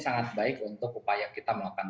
sangat baik untuk upaya kita melakukan